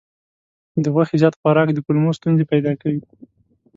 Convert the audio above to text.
د غوښې زیات خوراک د کولمو ستونزې پیدا کوي.